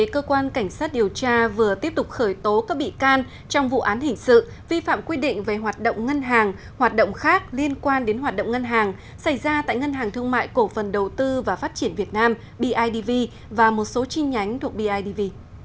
cơ quan cảnh sát điều tra vừa tiếp tục khởi tố các bị can trong vụ án hình sự vi phạm quy định về hoạt động ngân hàng hoạt động khác liên quan đến hoạt động ngân hàng xảy ra tại ngân hàng thương mại cổ phần đầu tư và phát triển việt nam bidv và một số chi nhánh thuộc bidv